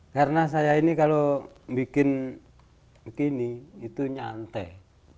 karena saya ini kalau bikin begini itu nyantai